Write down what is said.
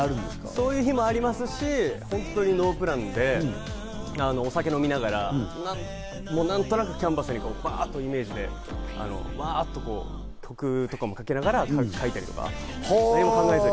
そういう日もありますし、本当にノープランでお酒を飲みながらもう何となくキャンバスにバっとイメージてバっと、こう曲を書きながら描いたりとか。